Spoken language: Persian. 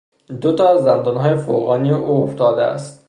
دو تا از دندانهای فوقانی او افتاده است.